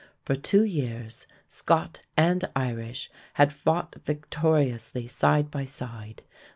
For two years Scot and Irish had fought victoriously side by side.